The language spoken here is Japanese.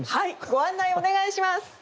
ご案内お願いします。